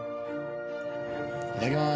いただきます。